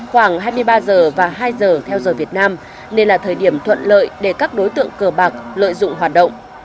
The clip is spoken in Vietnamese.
khoảng hai mươi ba h và hai h theo giờ việt nam nên là thời điểm thuận lợi để các đối tượng cờ bạc lợi dụng hoạt động